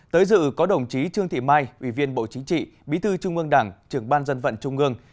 tới dự có đồng chí trương thị mai ủy viên bộ chính trị bí thư trung ương đảng trưởng ban dân vận trung ương